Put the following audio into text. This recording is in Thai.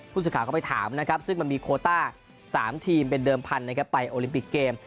ผู้สื่อข่าวก็ไปถามนะครับซึ่งมันมีโคต้า๓ทีมเป็นเดิมพันธุ์นะครับไปโอลิมปิกเกม